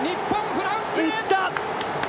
フランスへ！